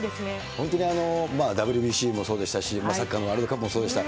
本当にＷＢＣもそうでしたし、サッカーのワールドカップもそうでした。